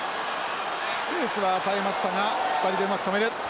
スペースは与えましたが２人でうまく止める。